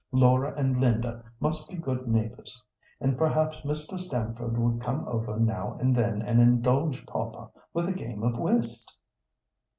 Laura and Linda must be good neighbours, and perhaps Mr. Stamford will come over now and then and indulge papa with a game of whist."